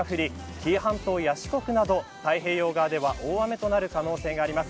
紀伊半島や四国など太平洋側では大雨となる可能性があります。